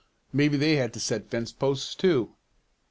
"Maybe they had to set fence posts too."